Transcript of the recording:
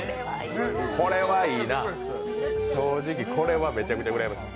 これはいいな、正直これはめちゃめちゃうらやましい。